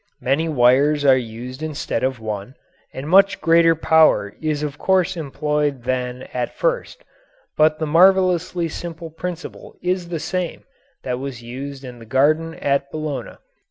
Many wires are used instead of one, and much greater power is of course employed than at first, but the marvellously simple principle is the same that was used in the garden at Bologna.